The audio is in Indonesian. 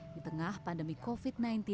di tengah pandemi covid sembilan belas